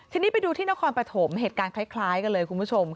ทีนี้ไปดูที่นครปฐมเหตุการณ์คล้ายกันเลยคุณผู้ชม